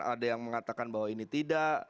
ada yang mengatakan bahwa ini tidak